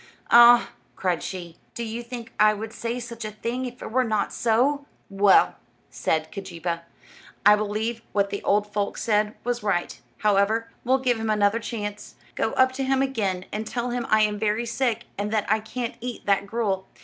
"Ah," cried she, "do you think I would say such a thing if it were not so?" "Well," said Keejeepaa, "I believe what the old folks said was right. However, we'll give him another chance. Go up to him again, and tell him I am very sick, and that I can't eat that gruel."